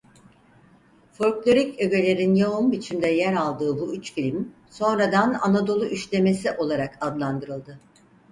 Folklorik ögelerin yoğun biçimde yer aldığı bu üç film sonradan Anadolu Üçlemesi olarak adlandırıldı.